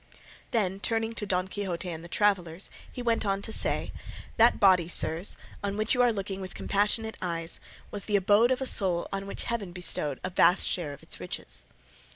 Then turning to Don Quixote and the travellers he went on to say, "That body, sirs, on which you are looking with compassionate eyes, was the abode of a soul on which Heaven bestowed a vast share of its riches.